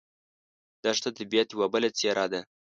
دښته د طبیعت یوه بله څېره ده.